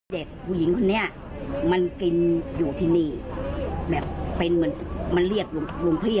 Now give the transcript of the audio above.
เด็กผู้หญิงคนนี้มันกินอยู่ที่นี่แบบเป็นเหมือนมันเรียกหลวงพี่